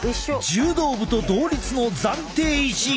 柔道部と同率の暫定１位だ！